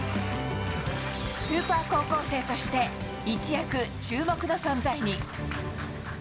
スーパー高校生として一躍、注目の存在に。